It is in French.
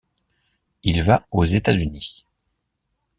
Il va aux États-Unis.